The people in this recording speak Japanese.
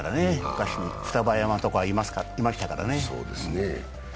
昔、双葉山とかいましたからね。